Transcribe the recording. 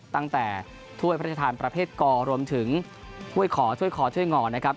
ตั้งแต่ถ้วยพระชาธารประเภทกอรวมถึงถ้วยขอถ้วยขอถ้วยงอนะครับ